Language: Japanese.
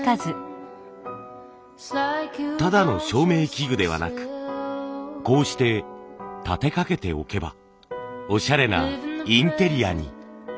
ただの照明器具ではなくこうして立てかけておけばオシャレなインテリアに。